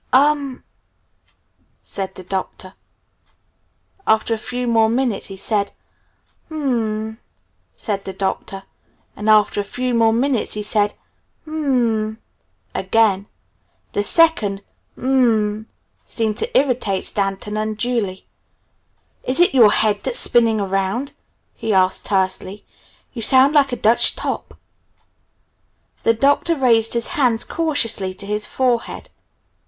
"U m m," said the Doctor. After a few more minutes he said, "U m m," again. [Illustration: "Maybe she is 'colored,'" he volunteered at last] The second "U m m" seemed to irritate Stanton unduly. "Is it your head that's spinning round?" he asked tersely. "You sound like a Dutch top!" The Doctor raised his hands cautiously to his forehead.